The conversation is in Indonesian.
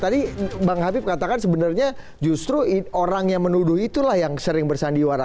tadi bang habib katakan sebenarnya justru orang yang menuduh itulah yang sering bersandiwara